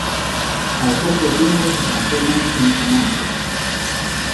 Al poco tiempo se transforman en amantes.